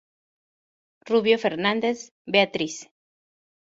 Rubio Fernández, Beatriz.